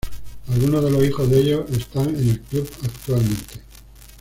Algunos de los hijos de ellos están en el club actualmente.